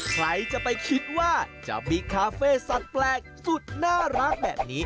ใครจะไปคิดว่าจะมีคาเฟ่สัตว์แปลกสุดน่ารักแบบนี้